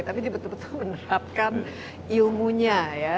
tapi dia betul betul menerapkan ilmunya ya